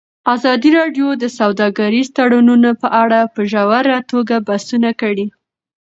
ازادي راډیو د سوداګریز تړونونه په اړه په ژوره توګه بحثونه کړي.